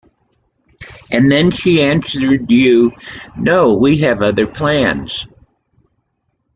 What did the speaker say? And then she answered you, 'No, we have other plans.'